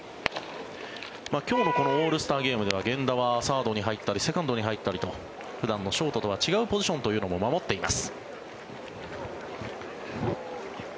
今日のオールスターゲームでは源田はサードに入ったりセカンドに入ったりと普段のショートとは違うポジションというのも守っています。